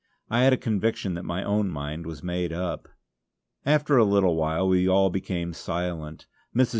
I had a conviction that my own mind was made up. After a little while we all became silent. Mrs.